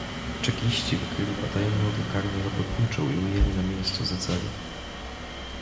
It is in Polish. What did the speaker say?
"Czekiści wykryli potajemną drukarnię robotniczą i ujęli na miejscu zecerów."